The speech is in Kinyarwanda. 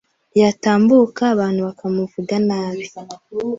yatambuka abantu bakamuvuga nabi